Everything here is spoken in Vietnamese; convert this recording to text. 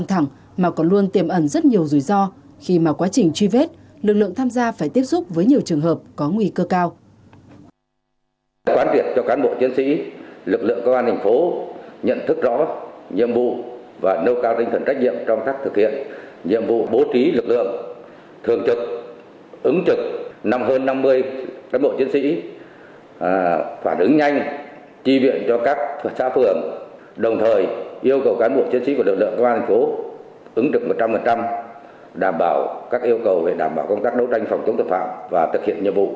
đảm bảo các yêu cầu về đảm bảo công tác đấu tranh phòng chống tập phạm và thực hiện nhiệm vụ phòng chống dịch